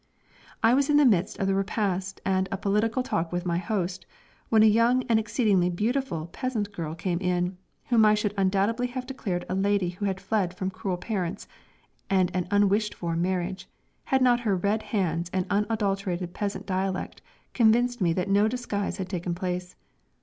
I was in the midst of the repast and a political talk with my host, when a young and exceedingly beautiful peasant girl came in, whom I should undoubtedly have declared a lady who had fled from cruel parents and an unwished for marriage, had not her red hands and unadulterated peasant dialect convinced me that no disguise had taken place.